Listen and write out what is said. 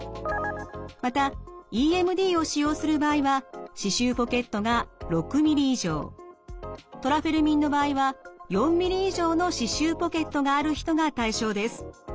またＥＭＤを使用する場合は歯周ポケットが６ｍｍ以上トラフェルミンの場合は４ｍｍ以上の歯周ポケットがある人が対象です。